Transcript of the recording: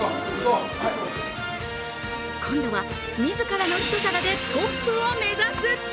今度は自らの一皿でトップを目指す。